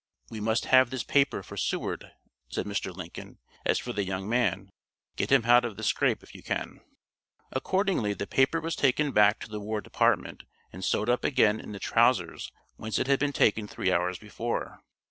"We must have this paper for Seward," said Mr. Lincoln. "As for the young man, get him out of the scrape if you can." Accordingly, the paper was taken back to the War Department and sewed up again in the trousers whence it had been taken three hours before.